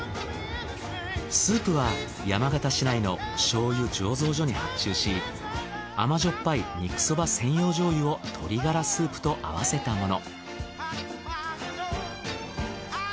スープは山形市内の醤油醸造所に発注し甘じょっぱい肉そば専用醤油を鶏がらスープと合わたもの。